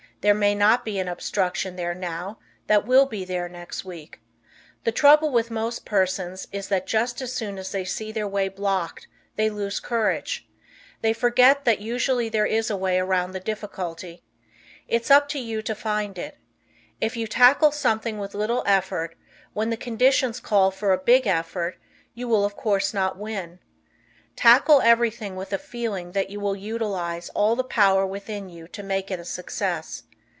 There may not be an obstruction there now that will be there next week. The trouble with most persons is that just as soon as they see their way blocked they lose courage. They forget that usually there is a way around the difficulty. It's up to you to find it. If you tackle something with little effort, when the conditions call for a big effort, you will of course not win. Tackle everything with a feeling that you will utilize all the power within you to make it a success.